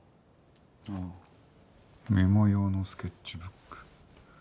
ああメモ用のスケッチブック。